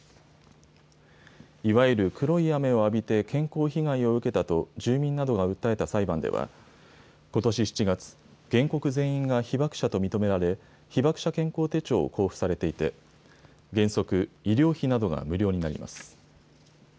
いわゆる黒い雨を浴びて、健康被害を受けたと住民などが訴えた裁判では、ことし７月、原告全員が被爆者と認められ、被爆者健康手帳を交付されていて、原則、医療費などが無料になります。